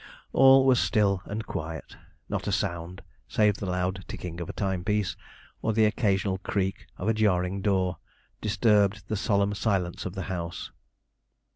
All was still and quiet; not a sound, save the loud ticking of a timepiece, or the occasional creak of a jarring door, disturbed the solemn silence of the house.